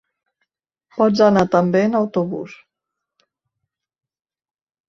Pots anar també en autobus.